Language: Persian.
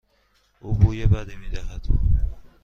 آن بوی بدی میدهد.